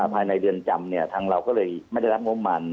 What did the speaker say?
ภายในเดือนจำทางเราก็เลยไม่ได้รับงบมาร